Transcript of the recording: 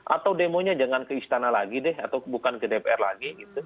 atau demonya jangan ke istana lagi deh atau bukan ke dpr lagi gitu